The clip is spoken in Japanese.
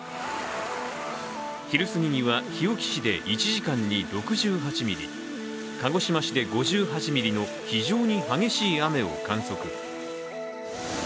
昼過ぎには、日置市で１時間に６８ミリ、鹿児島市で５８ミリの非常に激しい雨を観測。